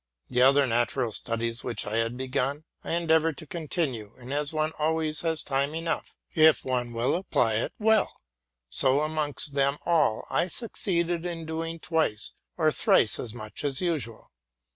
The other natural studies which I had begun, I endeavored to continue ; and as one always has time enough, if one will apply it well, so amongst them all I succeeded in doing twice or thrice as much as usual.